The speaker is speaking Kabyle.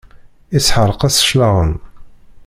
Isḥeṛq-as claɣem.